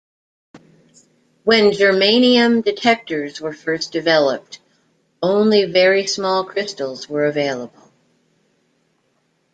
When germanium detectors were first developed, only very small crystals were available.